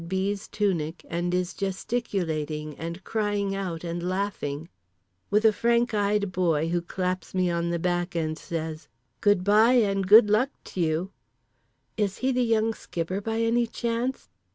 's tunic and is gesticulating and crying out and laughing; with a frank eyed boy who claps me on the back and says: "Good bye and good luck t'you" (is he The Young Skipper, by any chance?)